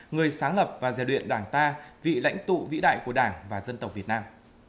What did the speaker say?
người sáng lập và giàn luyện đảng ta lãnh tụ vĩ đại của đảng và dân tộc việt nam